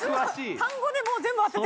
単語で全部当ててく⁉